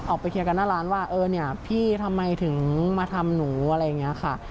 ออกไปเคลียร์กันหน้าร้านว่าเออเนี่ยพี่ทำไมถึงมาทำหนูอะไรอย่างนี้ค่ะ